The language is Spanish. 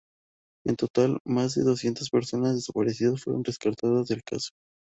En total, más de doscientas personas desaparecidas fueron descartadas del caso.